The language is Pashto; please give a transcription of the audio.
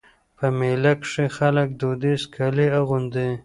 په مېله کښي خلک دودیز کالي اغوندي.